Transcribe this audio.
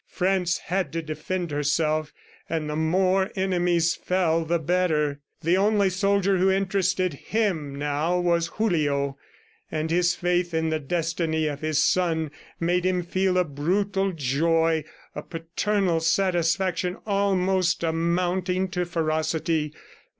France had to defend herself, and the more enemies fell the better. ... The only soldier who interested him now was Julio. And his faith in the destiny of his son made him feel a brutal joy, a paternal satisfaction almost amounting to ferocity.